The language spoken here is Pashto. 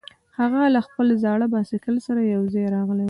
هغه له خپل زاړه بایسکل سره یوځای راغلی و